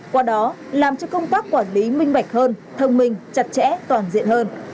qua đó làm cho công tác quản lý minh bạch hơn thông minh chặt chẽ toàn diện hơn